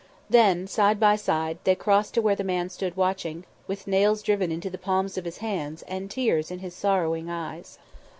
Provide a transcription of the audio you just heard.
Then, side by side, they crossed to where the man stood watching, with nails driven into the palms of his hands and tears in his sorrowing eyes.